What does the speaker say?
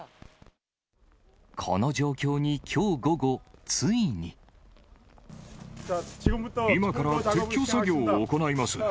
この状況にきょう午後、今から撤去作業を行います。